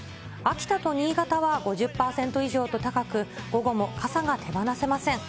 秋田と新潟は５０％以上と高く、午後も傘が手放せません。